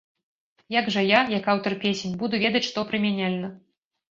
Як жа я, як аўтар песень, буду ведаць, што прымяняльна?